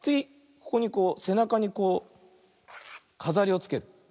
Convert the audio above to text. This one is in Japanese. ここにこうせなかにこうかざりをつける。